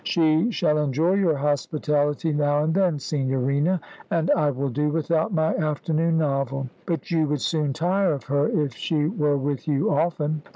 "She shall enjoy your hospitality now and then, Signorina, and I will do without my afternoon novel. But you would soon tire of her if she were with you often."